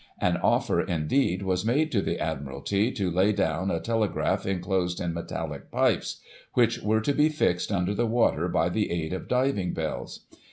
An offer, indeed, was made to the Admiralty, to lay down a telegraph enclosed in metallic pipes, which ^ere to be fixed under the water by the aid of diving bells.